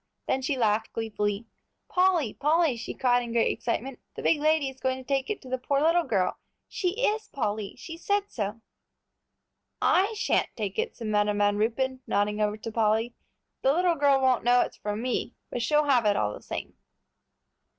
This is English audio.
Then she laughed gleefully. "Polly, Polly," she cried in great excitement, "the big lady is going to take it to the poor little girl; she is, Polly, she said so." "I shan't take it," said Madam Van Ruypen, nodding over to Polly; "the little girl won't know it's from me, but she will have it all the same."